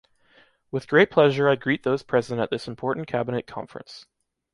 With great pleasure I greet those present at this important cabinet conference.